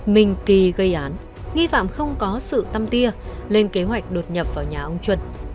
mình kỳ gây án nghi phạm không có sự tăm tia lên kế hoạch đột nhập vào nhà ông chuẩn